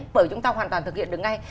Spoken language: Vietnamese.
bởi chúng ta hoàn toàn thực hiện được ngay